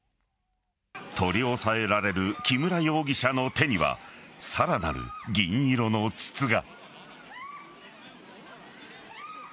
取り押さえられる木村容疑者の手にはさらなる銀色の筒が。